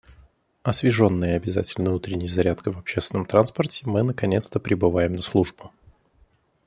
Освеженные обязательной утренней зарядкой в общественном транспорте, мы наконец-то прибываем на службу.